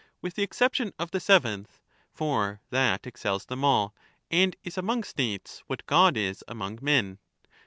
The the exception of the seventh, for that excels them all, and is ^^^^ among States what God is among men.